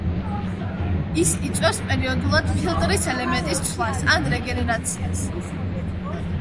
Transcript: ეს იწვევს პერიოდულად ფილტრის ელემენტის ცვლას ან რეგენერაციას.